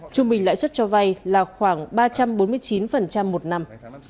trung bình lãi suất cho vay là khoảng ba trăm bốn mươi chín một năm